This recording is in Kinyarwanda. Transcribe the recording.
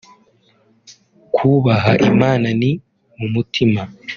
Kubaha Imana ni mu mutima